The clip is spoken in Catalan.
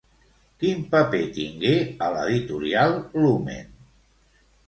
Quin paper tingué a l'Editorial Lumen?